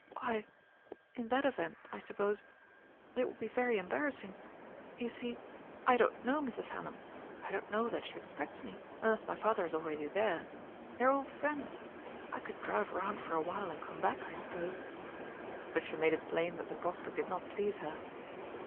"Why, in that event, I suppose It would be very embarrassing. You see, I don't know Mrs. Hallam; I don't know that she expects me, unless my father is already there. They are old friends I could drive round for a while and come back, I suppose." But she made it plain that the prospect did not please her.